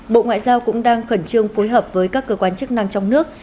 bộ ngoại giao cũng đang khẩn trương phối hợp với các cơ quan chức năng trong nước